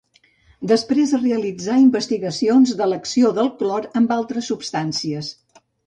Després realitzà investigacions de l'acció del clor amb altres substàncies.